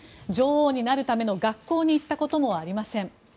女王になるための学校に行ったこともありません。